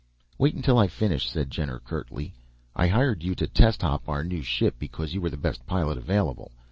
"Wait until I finish," said Jenner, curtly. "I hired you to test hop our new ship because you were the best pilot available.